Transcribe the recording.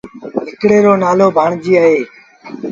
هڪڙي رو نآلو ڀآڻجيٚ اهي۔